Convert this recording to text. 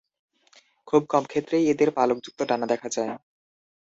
খুব কম ক্ষেত্রেই এদের পালকযুক্ত ডানা দেখা যায়।